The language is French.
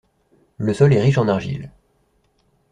Le sol est riche en argile.